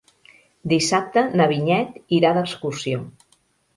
Dissabte na Vinyet irà d'excursió.